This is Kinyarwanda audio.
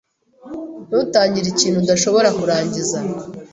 Ntutangire ikintu udashobora kurangiza.